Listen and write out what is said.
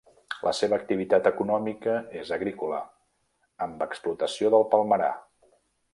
La seva activitat econòmica és agrícola, amb explotació del palmerar.